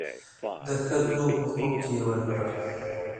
د ښځو حقوق یې ورکړل.